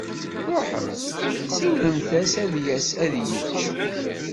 Ṛuḥemt, siwlemt-as ad d-yas ad yečč.